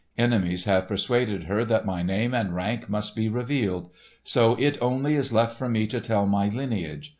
Enemies have persuaded her that my name and rank must be revealed; so it only is left for me to tell my lineage.